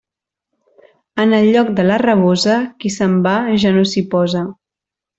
En el lloc de la rabosa, qui se'n va ja no s'hi posa.